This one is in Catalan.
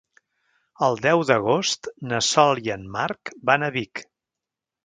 El deu d'agost na Sol i en Marc van a Vic.